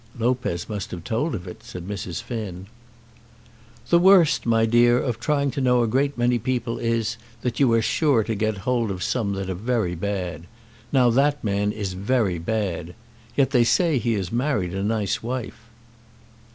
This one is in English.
"Lopez must have told of it," said Mrs. Finn. "The worst, my dear, of trying to know a great many people is, that you are sure to get hold of some that are very bad. Now that man is very bad. Yet they say he has married a nice wife."